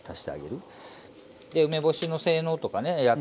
で梅干しの性能とかね